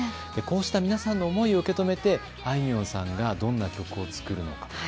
こうした皆さんの思いを受け止めてあいみょんさんがどんな曲を作るのか。